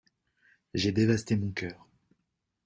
J'ai dévasté mon cœur.